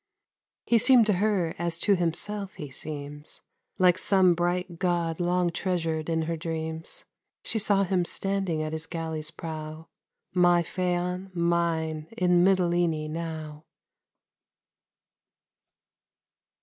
He seemed to her, as to himself he seems, Like some bright God long treasured in her dreams; She saw him standing at his galley's prow My Phaon, mine, in Mitylene now!